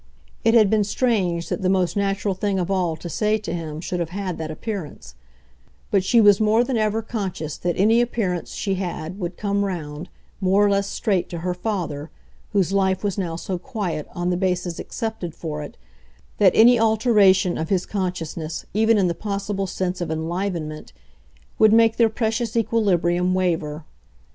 It had been strange that the most natural thing of all to say to him should have had that appearance; but she was more than ever conscious that any appearance she had would come round, more or less straight, to her father, whose life was now so quiet, on the basis accepted for it, that any alteration of his consciousness even in the possible sense of enlivenment, would make their precious equilibrium waver.